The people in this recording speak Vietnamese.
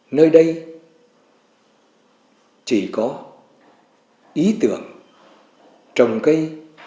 nơi đây chỉ có ý tưởng trồng cây